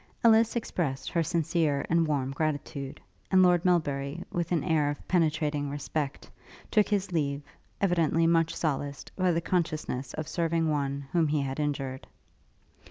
Ellis expressed her sincere and warm gratitude; and Lord Melbury, with an air of penetrated respect, took his leave; evidently much solaced, by the consciousness of serving one whom he had injured.